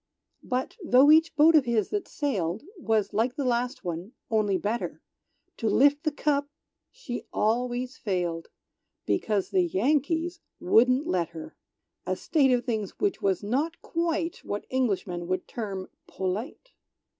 But tho' each boat of his that sailed Was like the last one, only better, To lift the cup she always failed, Because the Yankees wouldn't let her. (A state of things which was not quite, What Englishmen would term, polite!)